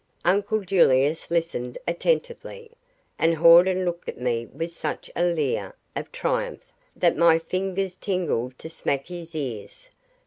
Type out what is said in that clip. Uncle Julius listened attentively, and Hawden looked at me with such a leer of triumph that my fingers tingled to smack his cars.